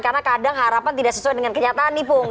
karena kadang harapan tidak sesuai dengan kenyataan nih pung